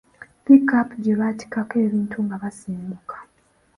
Pikaapu gye baatikako ebintu nga basenguka.